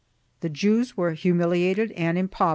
The Jews were humiliated and impoverished.